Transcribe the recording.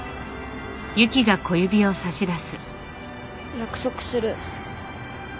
約束する。